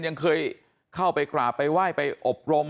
ยังเคยเข้าไปกราบไปไหว้ไปอบรม